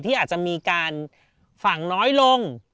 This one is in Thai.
ที่อาจจะมีการฝั่งน้อยลง